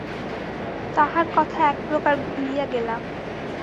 তাহার কথা একপ্রকার ভুলিয়া গেলাম।